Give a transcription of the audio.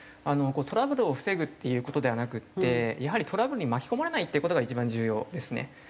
トラブルを防ぐっていう事ではなくてやはりトラブルに巻き込まれないっていう事が一番重要ですね。